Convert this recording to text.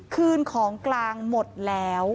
คืนของกลางหมดแล้ว